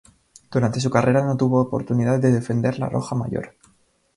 Durante su carrera no tuvo oportunidad de defender "la roja" mayor.